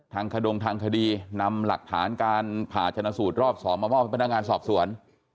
ขดงทางคดีนำหลักฐานการผ่าชนะสูตรรอบ๒มามอบให้พนักงานสอบสวน